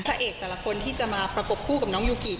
พระเอกแต่ละคนที่จะมาประกบคู่กับน้องยูกิ